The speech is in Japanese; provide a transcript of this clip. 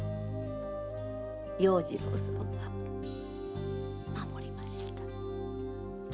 要次郎さんは守りました。